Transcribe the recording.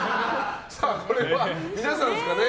これは皆さんですかね。